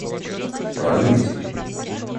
Правда ведь?